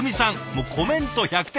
もうコメント１００点。